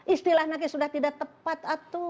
istilahnya sudah tidak tepat